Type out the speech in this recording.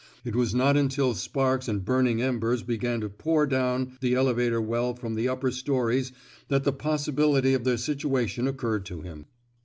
It was not until sparks and burning embers began to pour down the elevator well from the upper stories that the possibility of their situation occurred to him.